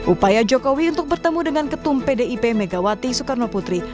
upaya jokowi untuk bertemu dengan ketum pdip megawati soekarno putri